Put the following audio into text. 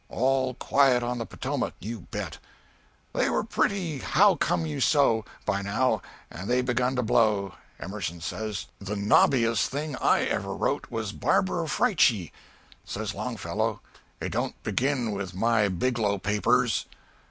All quiet on the Potomac, you bet! "They were pretty how come you so, by now, and they begun to blow. Emerson says, 'The nobbiest thing I ever wrote was Barbara Frietchie.' Says Longfellow, 'It don't begin with my Biglow Papers.'